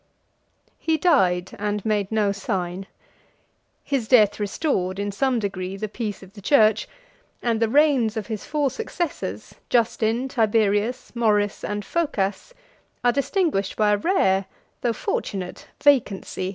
He died and made no sign. 99 His death restored in some degree the peace of the church, and the reigns of his four successors, Justin Tiberius, Maurice, and Phocas, are distinguished by a rare, though fortunate, vacancy in the ecclesiastical history of the East.